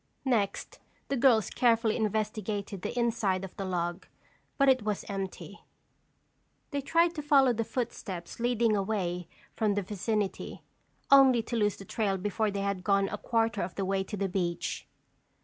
Next the girls carefully investigated the inside of the log but it was empty. They tried to follow the footsteps leading away from the vicinity, only to lose the trail before they had gone a quarter of the way to the beach.